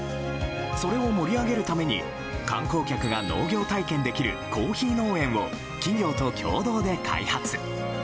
それを盛り上げるために観光客が農業体験できるコーヒー農園を企業と共同で開発。